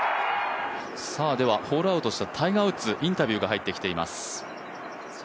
ホールアウトしたタイガー・ウッズインタビューが入ってきています。